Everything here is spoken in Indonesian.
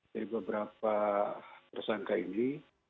dari beberapa persangka ini